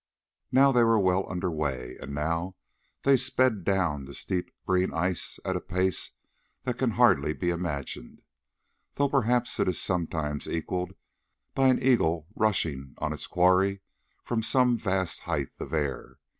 Now they were well under way, and now they sped down the steep green ice at a pace that can hardly be imagined, though perhaps it is sometimes equalled by an eagle rushing on its quarry from some vast height of air.